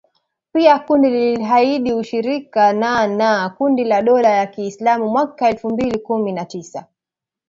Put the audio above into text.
Pia kundi liliahidi ushirika na na kundi la dola ya Kiislamu mwaka elfu mbili kumi na tisa